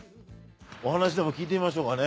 お話でも聞いてみましょうかね。